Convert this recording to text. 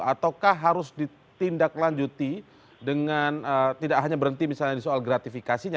ataukah harus ditindaklanjuti dengan tidak hanya berhenti misalnya di soal gratifikasinya